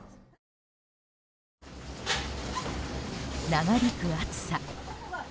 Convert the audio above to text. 長引く暑さ。